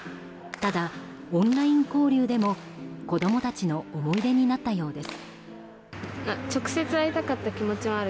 ただ、オンライン交流でも子供たちの思い出になったようです。